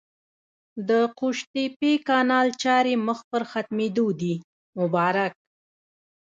د قوشتېپې کانال چارې مخ پر ختمېدو دي! مبارک